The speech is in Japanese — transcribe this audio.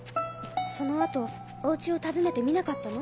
その後お家を訪ねてみなかったの？